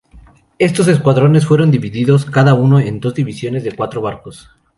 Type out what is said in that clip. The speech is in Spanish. Estos escuadrones fueron divididos cada uno en dos divisiones de cuatro barcos.